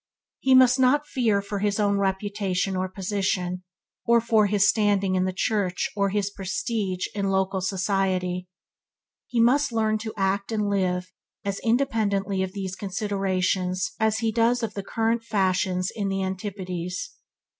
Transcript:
He must not fear for his reputation or position, or for his standing in the church or his prestige in local society. He must learn to act and live as independently of these consideration as he does of the current fashions in the antipodes.